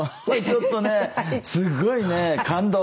ちょっとねすごいね感動。